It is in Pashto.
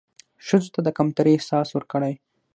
ښځو ته د کمترۍ احساس ورکړى